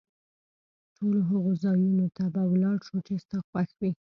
ټولو هغو ځایونو ته به ولاړ شو، چي ستا خوښ وي.